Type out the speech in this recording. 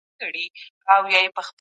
ملکیت د انسان حق او ضرورت دی.